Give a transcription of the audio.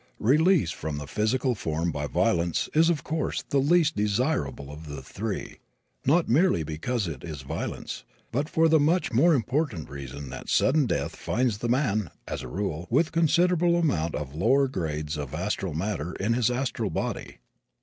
Release from the physical form by violence is, of course, the least desirable of the three, not merely because it is violence, but for the much more important reason that sudden death finds the man, as a rule, with a considerable amount of the lower grades of astral matter in his astral body.